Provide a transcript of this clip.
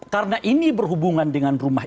karena ini berhubungan dengan rumah